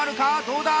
どうだ？